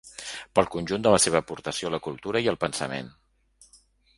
Pel conjunt de la seva aportació a la cultura i el pensament.